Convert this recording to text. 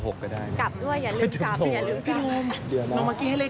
กลับด้วยอย่าลืมกลับอย่าลืมพี่โดม